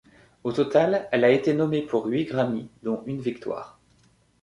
Au total, elle a été nommée pour huit Grammy, dont une victoire.